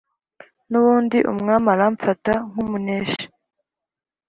nubundi umwami aramfata nkumuneshi